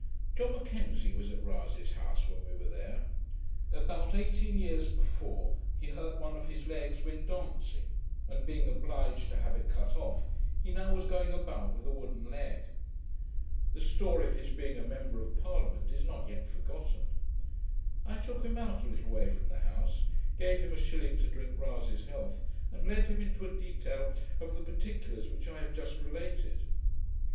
John M'Kenzie was at Rasay's house, when we were there.[Footnote: This old Scottish Member of Parliament, I am Informed, is still living (1785).] About eighteen years before, he hurt one of his legs when dancing, and being obliged to have it cut off, he now was going about with a wooden leg. The story of his being a Member of Parliament is not yet forgotten. I took him out a little way from the house, gave him a shilling to drink Rasay's health, and led him into a detail of the particulars which I have just related.